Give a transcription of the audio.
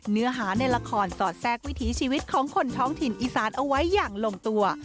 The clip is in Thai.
เนื้อหาในละครสอดแทรกวิถีชีวิตของคนท้องถิ่นอีสานเอาไว้อย่างลงตัว